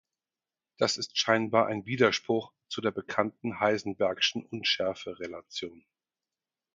Das ist scheinbar ein Widerspruch zu der bekannten Heisenbergschen Unschärferelation.